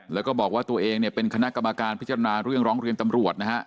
แล้วก็บอกว่าตัวเองเนี่ยเป็นคณะกรรมการพิจารณาเรื่องร้องเรียนตำรวจนะฮะ